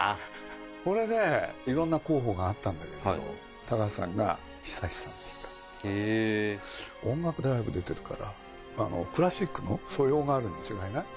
それで、いろんな候補があったんだけど、高畑さんが久石さんって言ったの、音楽大学出てるから、クラシックの素養があるに違いない。